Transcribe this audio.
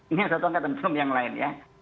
ini satu angkatan belum yang lain ya